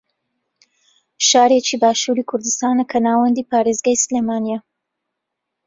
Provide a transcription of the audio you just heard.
شارێکی باشووری کوردستانە کە ناوەندی پارێزگای سلێمانییە